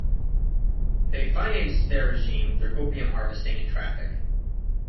They financed their regime through opium harvesting and traffic.